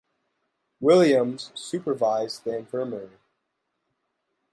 Williams supervised the infirmary.